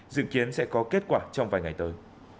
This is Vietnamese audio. dự kiến sẽ có kết quả trong vài ngày tới